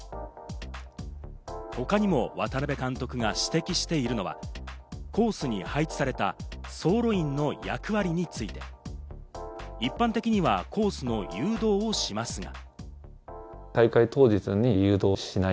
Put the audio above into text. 他にも渡辺監督が指摘しているのは、コースに配置された走路員の役割について、一般的にはコースの誘導をしますが。